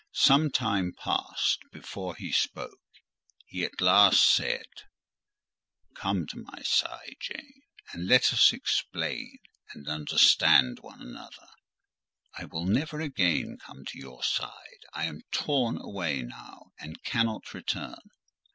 Some time passed before he spoke; he at last said— "Come to my side, Jane, and let us explain and understand one another." "I will never again come to your side: I am torn away now, and cannot return."